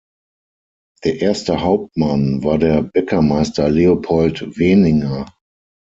Der erste Hauptmann war der Bäckermeister Leopold Weninger.